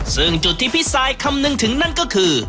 ซึ่งจุดที่พี่ซายคำนึงถึงนั่นก็คือ